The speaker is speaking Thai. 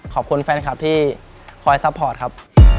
ขอบคุณแฟนคลับที่คอยซัพพอร์ตครับ